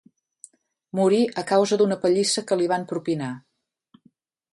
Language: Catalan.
Morí a causa d'una pallissa que li van propinar.